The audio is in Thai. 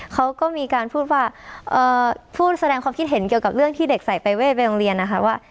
เขาก็มีการพูดว่าพูดแสดงความคิดเห็นเกี่ยวกับเรื่องที่เด็กใส่ปรายเวทไปโรงเรียนนะคะว่า